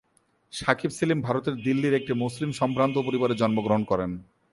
সাকিব সেলিম ভারতের দিল্লির একটি মুসলিম সম্ভ্রান্ত পরিবারে জন্মগ্রহণ করেন।